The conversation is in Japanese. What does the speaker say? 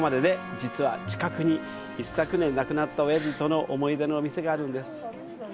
実は、近くに、一昨年亡くなったおやじとの思い出の店があるんです。